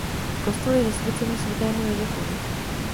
Kostel je zasvěcený svatému Josefovi.